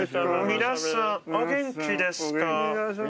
「皆さんお元気ですか？」